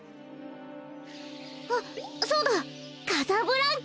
あっそうだカサブランカ！